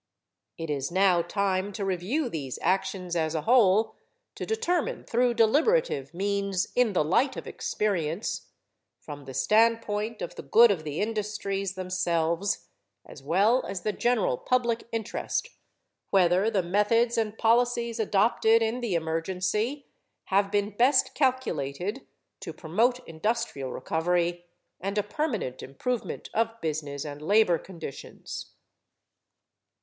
It is now time to review these actions as a whole to determine through deliberative means in the light of experience, from the standpoint of the good of the industries themselves, as well as the general public interest, whether the methods and policies adopted in the emergency have been best calculated to promote industrial recovery and a permanent improvement of business and labor conditions.